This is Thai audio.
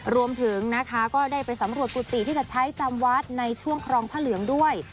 รวมถึงนะคะก็ได้ไปสำรวจกุฏิที่จะใช้จำวัดในช่วงครองพระเหลืองด้วย